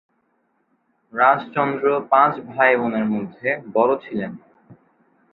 রাজচন্দ্র পাঁচ ভাইবোনের মধ্যে বড়ো ছিলেন।